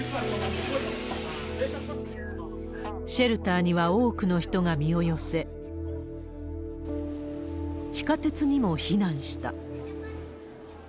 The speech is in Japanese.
シェルターには多くの人が身を寄せ、地下鉄にも避難した。